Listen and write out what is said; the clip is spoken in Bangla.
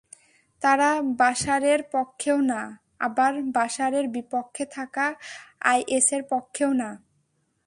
তারা বাশারের পক্ষেও না, আবার বাশারের বিপক্ষে থাকা আইএসের পক্ষেও না।